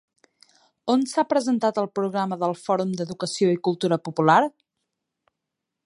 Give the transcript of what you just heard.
On s'ha presentat el programa del Fòrum d'Educació i Cultura Popular?